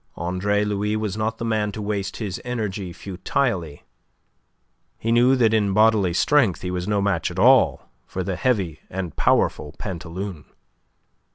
Andre Louis was not the man to waste his energy futilely. He knew that in bodily strength he was no match at all for the heavy and powerful Pantaloon.